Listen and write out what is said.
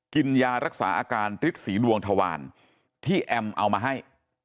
กินยารักษาอาการฤทธิสีดวงทวารที่แอมเอามาให้